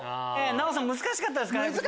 ナヲさん難しかったですか？